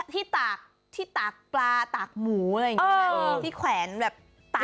ตากที่ตากปลาตากหมูอะไรอย่างนี้ที่แขวนแบบตาก